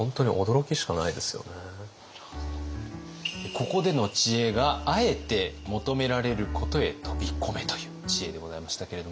ここでの知恵が「あえて求められることへ飛び込め！」という知恵でございましたけれども。